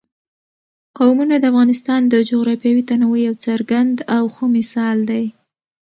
قومونه د افغانستان د جغرافیوي تنوع یو څرګند او ښه مثال دی.